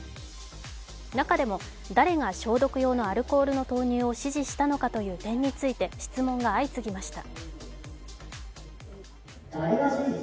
中でも、誰が消毒用のアルコールの投入を指示したのかについて質問が相次ぎました。